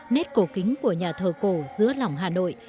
nét cổ kính của nhà thờ cổ giữa lòng hà nội